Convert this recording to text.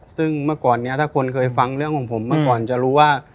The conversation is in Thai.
ซึ่งเมื่อก่อนนี้ถ้าคนเคยฟังเรื่องของผมมาก่อนจะรู้ว่า